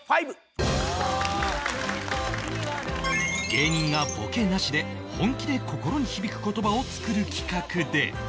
芸人がボケなしで本気で心に響く言葉を作る企画で